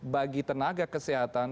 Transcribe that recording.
bagi tenaga kesehatan